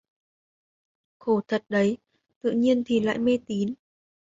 Khổ thật đấy tự nhiên thì lại mê tín